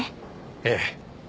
ええ。